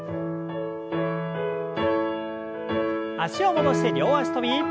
脚を戻して両脚跳び。